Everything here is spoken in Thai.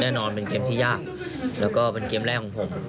แน่นอนเป็นเกมที่ยากแล้วก็เป็นเกมแรกของผม